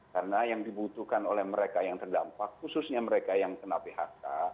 karena yang dibutuhkan oleh mereka yang terdampak khususnya mereka yang kena phk